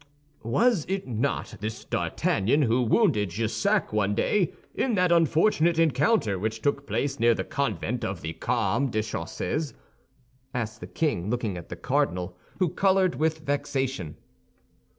"Was it not this D'Artagnan who wounded Jussac one day, in that unfortunate encounter which took place near the Convent of the Carmes Déchaussés?" asked the king, looking at the cardinal, who colored with vexation.